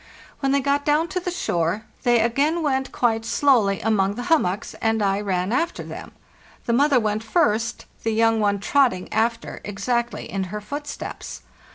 When they got down to the shore, they again went quite slowly among the hummocks, and I ran after them. The mother went first, the young one trotting after exactly in her footsteps.